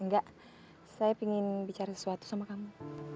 enggak saya ingin bicara sesuatu sama kamu